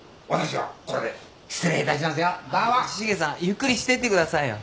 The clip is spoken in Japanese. ゆっくりしてってくださいよ。